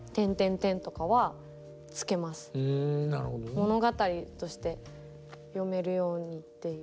物語として読めるようにっていう。